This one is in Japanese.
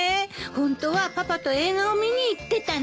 ホントはパパと映画を見に行ってたの。